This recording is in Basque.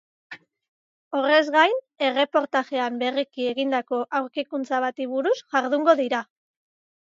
Horrez gain, erreportajean berriki egindako aurkikuntza bati buruz jardungo dira.